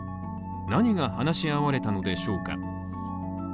何が話し合われたのでしょうか。